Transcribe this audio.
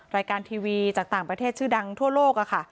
รายการทีวีจากต่างประเทศชื่อดังทั่วโลกค่ะ